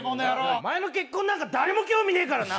おまえの結婚なんか誰も興味ねえからな。